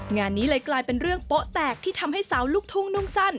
งานนี้เลยกลายเป็นเรื่องโป๊ะแตกที่ทำให้สาวลูกทุ่งนุ่งสั้น